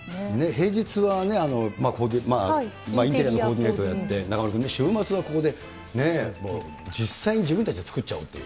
平日はインテリアのコーディネートをやって、中丸君、週末はここでもう実際に自分たちで作っちゃおうっていう。